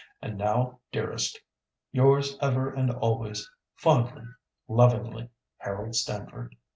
And now, dearest, yours ever and always, fondly, lovingly, HAROLD STAMFORD."